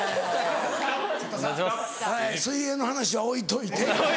水泳の話は置いといて。